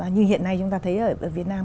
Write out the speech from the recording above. như hiện nay chúng ta thấy ở việt nam